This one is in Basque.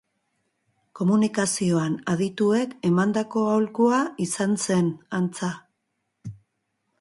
Komunikazioan adituek emandako aholkua izan zen, antza.